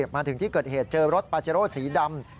มาถึงที่เกิดเหตุเจอรถปาเจโร่สีดำ